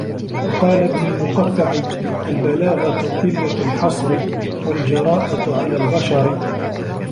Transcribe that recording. وَقَالَ ابْنُ الْمُقَفَّعِ الْبَلَاغَةُ قِلَّةُ الْحَصْرِ وَالْجَرَاءَةُ عَلَى الْبَشَرِ